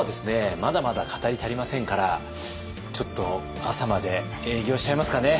まだまだ語り足りませんからちょっと朝まで営業しちゃいますかね。